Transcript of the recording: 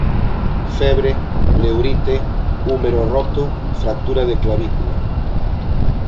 Febre, pleurite, úmero roto, fractura de clavícula.